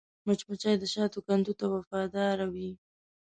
مچمچۍ د شاتو کندو ته وفاداره وي